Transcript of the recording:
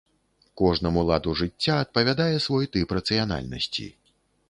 Кожнаму ладу жыцця адпавядае свой тып рацыянальнасці.